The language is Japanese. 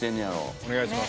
お願いします。